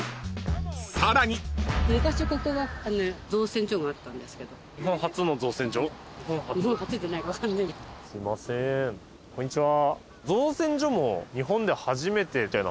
［さらに］すいませんこんにちは。